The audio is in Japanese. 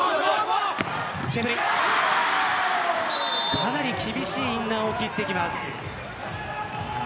かなり厳しいインナーをきってきます。